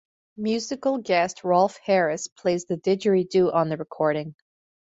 Musical guest Rolf Harris plays the didgeridoo on the recording.